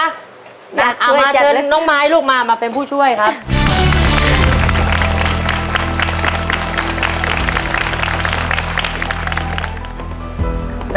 เอามาเชิญน้องไม้ลูกมามาเป็นผู้ช่วยครับ